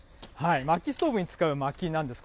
まきストーブに使うまきなんです。